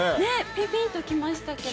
ぴぴっときましたけど。